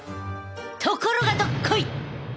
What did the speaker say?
ところがどっこい！